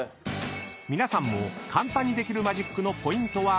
［皆さんも簡単にできるマジックのポイントはこちら］